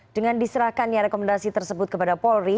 dengan diserahkannya rekomendasi tersebut kepada polri